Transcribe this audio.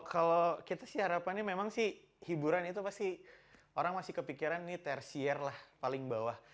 kalau kita sih harapannya memang sih hiburan itu pasti orang masih kepikiran ini tersier lah paling bawah